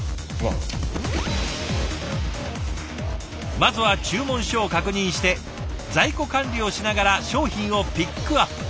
まずは注文書を確認して在庫管理をしながら商品をピックアップ。